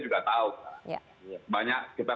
juga tahu banyak kita